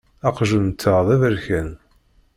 Aqjun-nteɣ d aberkan.